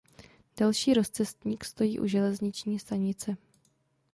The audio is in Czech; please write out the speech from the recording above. Další rozcestník stojí u železniční stanice.